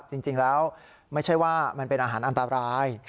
จริงแล้วไม่ใช่ว่ามันเป็นอาหารอันตราย